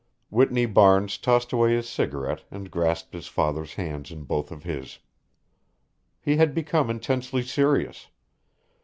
Whitney Barnes tossed away his cigarette and grasped his father's hand in both of his. He had become intensely serious.